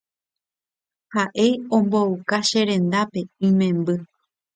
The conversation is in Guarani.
ha ha'e ombouka cherendápe imemby